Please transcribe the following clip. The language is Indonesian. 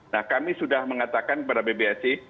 nah kami sudah mengatakan kepada bbsi